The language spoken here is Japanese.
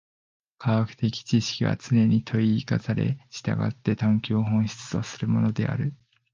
科学的知識はつねに問に生かされ、従って探求を本質とするものである。